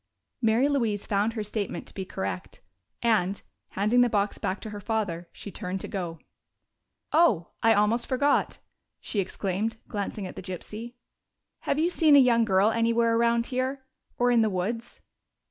Mary Louise found her statement to be correct, and, handing the box back to her father, she turned to go. "Oh, I almost forgot!" she exclaimed, glancing at the gypsy. "Have you seen a young girl anywhere around here or in the woods?"